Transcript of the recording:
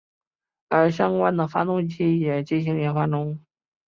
而相关的发动机也进行研发中。